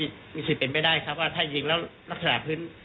มีสิทธิ์เป็นไปได้ครับว่าถ้ายิงแล้วลักษณะพื้น